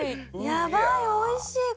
やばいおいしいこれ！